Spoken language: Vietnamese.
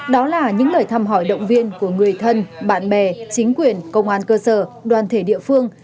đó là những lời thăm hỏi động viên của người thân bạn bè chính quyền công an cơ sở đoàn thể địa phương